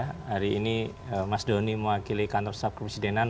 hari ini mas doni mewakili kantor staf kepresidenan